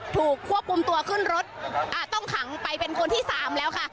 ถูกควบคุมตัวขึ้นรถต้องขังไปเป็นคนที่๓แล้วค่ะ